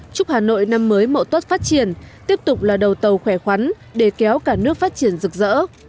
chúc hà nội năm mới mậu tốt phát triển tiếp tục là đầu tàu khỏe khoắn để kéo cả nước phát triển rực rỡ